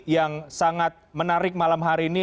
yang sangat menarik malam hari ini